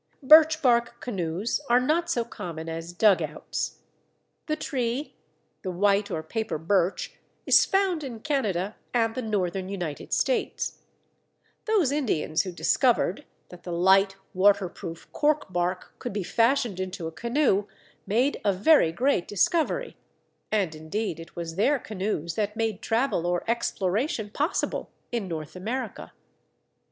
_ "Birchbark" canoes are not so common as Dug outs. The tree, the White or Paper Birch, is found in Canada and the Northern United States; those Indians who discovered that the light, waterproof cork bark could be fashioned into a canoe made a very great discovery, and indeed it was their canoes that made travel or exploration possible in North America.